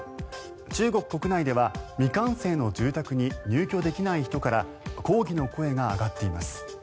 中国国内では未完成の住宅に入居できない人から抗議の声が上がっています。